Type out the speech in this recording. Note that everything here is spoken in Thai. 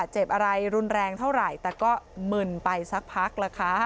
จนไปสักพักละคะ